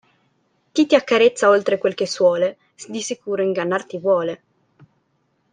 Chi ti accarezza oltre quel che suole, di sicuro ingannar ti vuole.